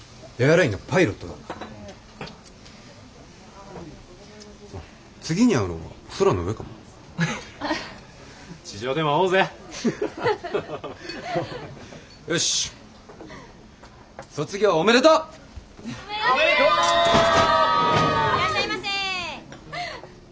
いらっしゃいませ。